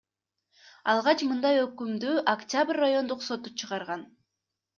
Алгач мындай өкүмдү Октябрь райондук соту чыгарган.